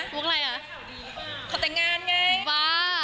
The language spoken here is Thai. มุกอะไรอ่ะ